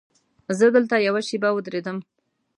زه دلته یوه شېبه ودرېدم.